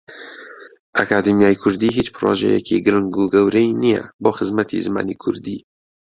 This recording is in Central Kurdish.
ئەکادیمیای کوردی هیچ پرۆژەیەکی گرنگ و گەورەی نییە بۆ خزمەتی زمانی کوردی.